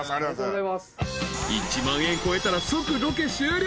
［１万円超えたら即ロケ終了］